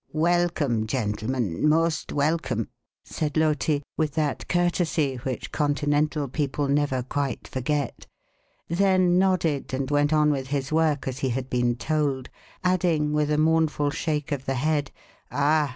"Welcome, gentlemen most welcome," said Loti, with that courtesy which Continental people never quite forget; then nodded, and went on with his work as he had been told, adding, with a mournful shake of the head: "Ah!